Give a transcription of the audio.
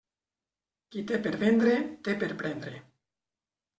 Qui té per vendre, té per prendre.